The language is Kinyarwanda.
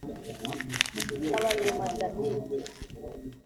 Habarurema David